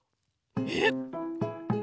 えっ？